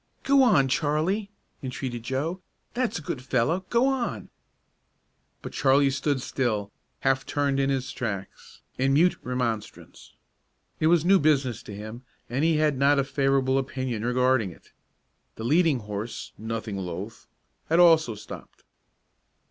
"Go on, Charlie!" entreated Joe; "that's a good fellow, go on!" But Charlie stood still, half turned in his tracks, in mute remonstrance. It was new business to him, and he had not a favorable opinion regarding it. The leading horse, nothing loath, had also stopped.